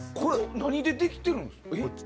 何でできてるんですか？